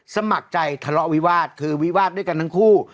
สมัครใจทะเลาะวิวาสคือวิวาสด้วยกันทั้งคู่